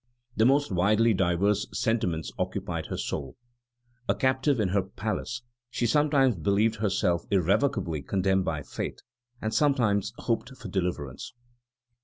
The most widely diverse sentiments occupied her soul. A captive in her palace, she sometimes believed herself irrevocably condemned by fate, and sometimes hoped for deliverance.